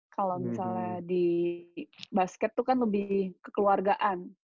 kalau misalnya di basket itu kan lebih kekeluargaan